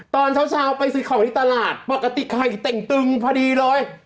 ตอนเช้าไปซื้อของที่ตลาดปกติไข่เต่งตึงพอดีเลย